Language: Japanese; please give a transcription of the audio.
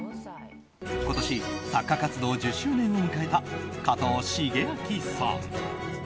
今年作家活動１０周年を迎えた加藤シゲアキさん。